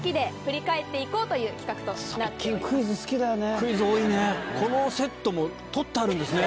クイズ多いね。